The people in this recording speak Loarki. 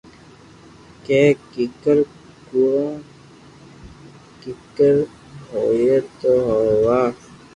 ڪي ڪيڪر ڪروُ کپر”ي ني تو ھيوا